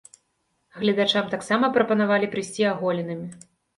Гледачам таксама прапанавалі прыйсці аголенымі.